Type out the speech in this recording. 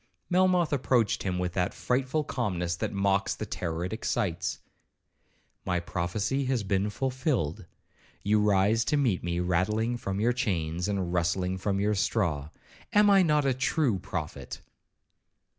Melmoth approached him with that frightful calmness that mocks the terror it excites. 'My prophecy has been fulfilled;—you rise to meet me rattling from your chains, and rustling from your straw—am I not a true prophet?'